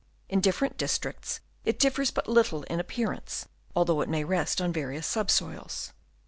In different districts it differs but little in appearance, although it may rest on various subsoils.